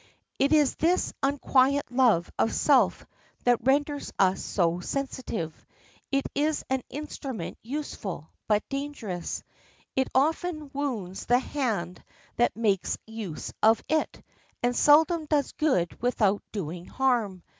It is this unquiet love of self that renders us so sensitive. It is an instrument useful, but dangerous. It often wounds the hand that makes use of it, and seldom does good without doing harm.